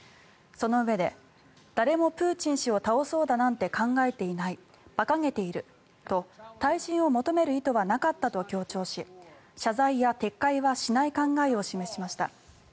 そのうえで、誰もプーチン氏を倒そうだなんて考えていない馬鹿げていると退陣を求める意図はなかったと強調し謝罪は撤回はしない考えを示しました。